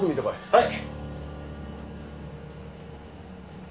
はい。